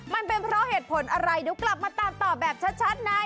มันเป็นเพราะเหตุผลอะไรเดี๋ยวกลับมาตามต่อแบบชัดใน